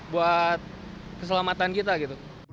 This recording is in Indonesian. buat keselamatan kita gitu